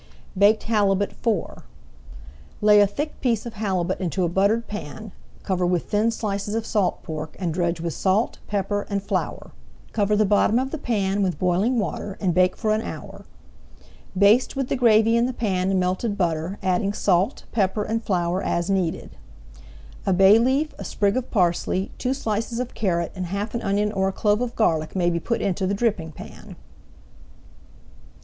BAKED HALIBUT IV Lay a thick piece of halibut into a buttered pan, cover with thin slices of salt pork, and dredge with salt, pepper, and flour. Cover the bottom of the pan with boiling water, and bake for an hour. Baste with the gravy in the pan and melted butter, adding salt, pepper, and flour as needed. A bay leaf, a sprig of parsley, two slices of carrot, and half an onion or a clove of garlic may be put into the dripping pan.